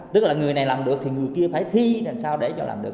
tức là người này làm được thì người kia phải thi làm sao để cho làm được